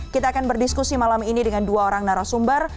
kita akan berdiskusi malam ini dengan dua orang narasumber